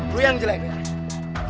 lo yang jelek ya